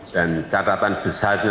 dan catatan besar